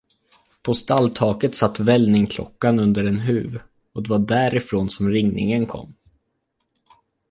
På stalltaket satt vällingklockan under en huv, och det var därifrån, som ringningen kom.